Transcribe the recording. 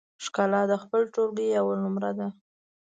ښکلا د خپل ټولګي اول نمره ده